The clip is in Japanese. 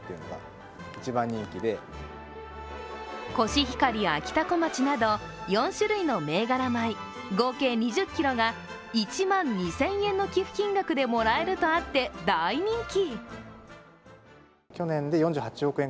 コシヒカリやあきたこまちなど４種類の銘柄米、合計２０ｋｇが１万２０００円の寄付金額でもらえるとあって大人気。